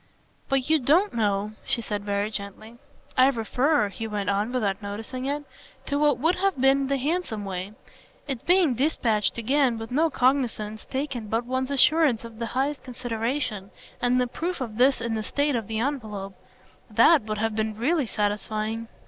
"But you don't know," she said very gently. "I refer," he went on without noticing it, "to what would have been the handsome way. Its being dispatched again, with no cognisance taken but one's assurance of the highest consideration, and the proof of this in the state of the envelope THAT would have been really satisfying."